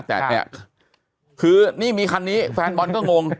แต่เนี่ยคือนี่มีคันนี้แฟนบอลก็งง